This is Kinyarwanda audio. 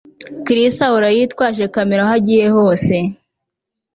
Chris ahora yitwaje kamera aho yagiye hose